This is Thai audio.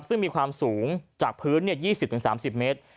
ซึ่งมีความสูงจากพื้น๒๐๓๐เมตร